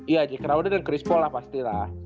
iya j crowder dan chris paul lah pasti lah